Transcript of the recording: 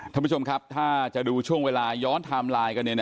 ท่านผู้ชมครับถ้าจะดูช่วงเวลาย้อนไทม์ไลน์กัน